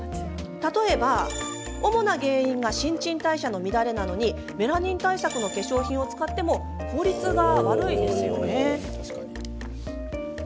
例えば主な原因が新陳代謝の乱れなのにメラニン対策の化粧品を使っても効率が悪いですよね。